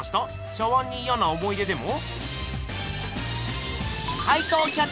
茶碗にいやな思い出でも？